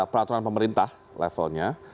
peraturan pemerintah levelnya